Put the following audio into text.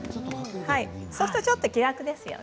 そうするとちょっと気楽ですよね。